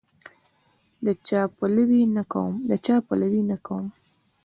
د چا پلوی نه کوم.